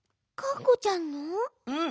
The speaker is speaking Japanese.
「うん。